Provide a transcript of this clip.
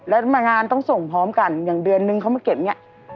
แล้วมางานต้องส่งพร้อมกันอย่างเดือนนึงเขามาเก็บเนี่ย